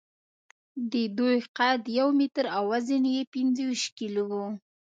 د دوی قد یو متر او وزن پینځهویشت کیلو و.